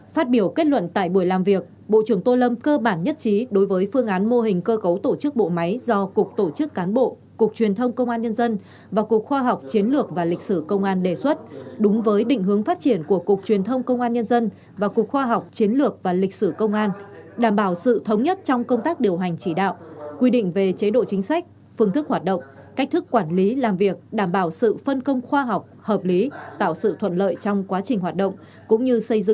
phát biểu kết luận tại buổi làm việc bộ trưởng tô lâm cơ bản nhất trí đối với phương án mô hình cơ cấu tổ chức bộ máy do cục tổ chức cán bộ cục truyền thông công an nhân dân và cục khoa học chiến lược và lịch sử công an đề xuất đúng với định hướng phát triển của cục truyền thông công an nhân dân và cục khoa học chiến lược và lịch sử công an đảm bảo sự thống nhất trong công tác điều hành chỉ đạo quy định về chế độ chính sách phương thức hoạt động cách thức quản lý làm việc đảm bảo sự phân công khoa học hợp lý tạo sự thuận l